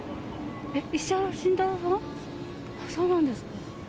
そうなんですか。